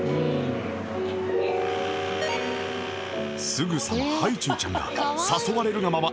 すぐさまハイチュウちゃんが誘われるがまま